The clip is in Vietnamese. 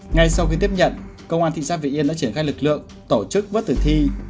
ngay sau khi tiếp nhận công an thị xác việt yên đã triển khai lực lượng tổ chức vớt tử thi